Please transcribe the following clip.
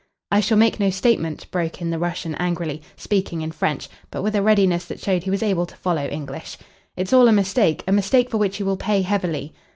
"I shall make no statement," broke in the Russian angrily, speaking in French, but with a readiness that showed he was able to follow English. "It's all a mistake a mistake for which you will pay heavily."